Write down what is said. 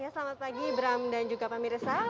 selamat pagi ibram dan juga pemirsa